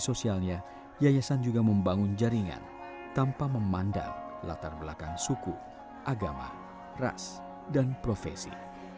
sosialnya yayasan juga membangun jaringan tanpa memandang latar belakang suku agama ras dan profesi